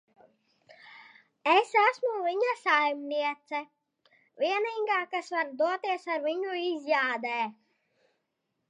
Es esmu viņa saimniece. Vienīgā, kas var doties ar viņu izjādē.